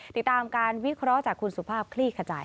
ติดตามการวิเคราะห์จากคุณสุภาพคลี่ขจาย